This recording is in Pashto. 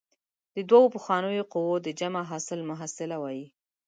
د دوو پخوانیو قوو د جمع حاصل محصله وايي.